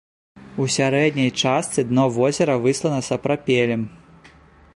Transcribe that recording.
У сярэдняй частцы дно возера выслана сапрапелем.